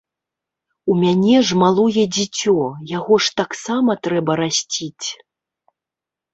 У мяне ж малое дзіцё, яго ж таксама трэба расціць.